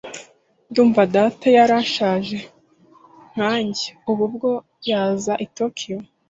Ndumva data yari ashaje nkanjye ubu ubwo yazaga i Tokiyo.